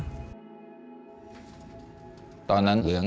หนูอยากให้พ่อกับแม่หายเหนื่อยครับ